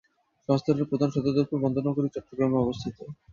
সংস্থাটির প্রধান সদরদপ্তর বন্দর নগরী চট্টগ্রামে অবস্থিত।